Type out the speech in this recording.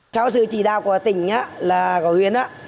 sau sự chỉ đạo của tỉnh là của huyện